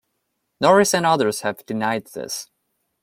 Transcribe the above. Norris and others have denied this.